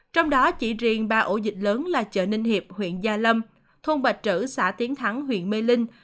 trong đó chỉ riêng ba ổ dịch lớn là chợ ninh hiệp huyện gia lâm thôn bạch trữ xã tiến thắng huyện mê linh